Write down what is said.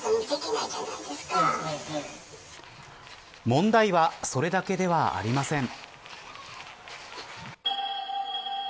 問題はそれだけではありません。